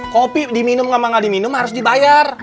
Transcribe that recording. kopi diminum sama nggak diminum harus dibayar